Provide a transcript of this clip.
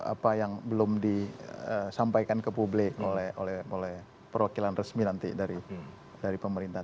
apa yang belum disampaikan ke publik oleh perwakilan resmi nanti dari pemerintah